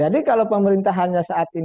jadi kalau pemerintah hanya saat ini